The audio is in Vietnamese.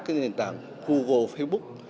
các nền tảng google facebook